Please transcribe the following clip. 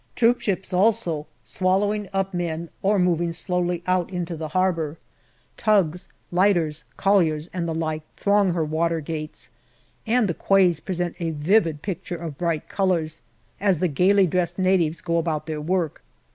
Troopships also, swallowing up men or moving slowly out into the harbour ; tugs, lighters, colliers, and the like, 168 GALLIPOLI DIARY throng her watergates, and the quays present a vivid picture of bright colours, as the gaily dressed natives go about their work.